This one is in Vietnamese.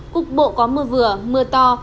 cục bộ có mưa vừa mưa to